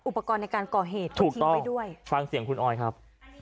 อุปกรณ์ในการก่อเหตุถูกทิ้งไว้ด้วยฟังเสียงคุณออยครับ